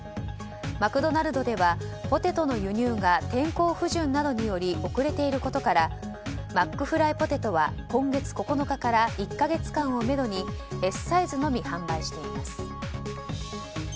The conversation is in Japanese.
マクドナルドではポテトの輸入が天候不順などにより遅れていることからマックフライポテトは今月９日から１か月間をめどにＳサイズのみ販売しています。